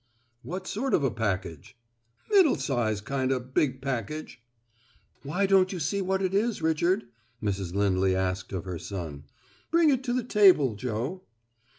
"What sort of a package?" "Middle size kind o' big package." "Why don't you see what it is, Richard?" Mrs. Lindley asked of her son. "Bring it to the table, Joe."